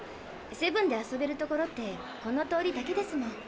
セブンで遊べる所ってこの通りだけですもん。